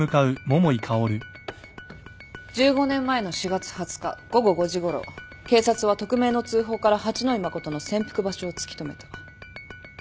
１５年前の４月２０日午後５時ごろ警察は匿名の通報から八野衣真の潜伏場所を突き止めた。